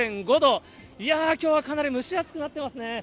いやー、きょうはかなり蒸し暑くなってますね。